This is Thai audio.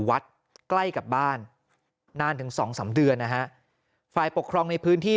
วัดใกล้กับบ้านนานถึงสองสามเดือนนะฮะฝ่ายปกครองในพื้นที่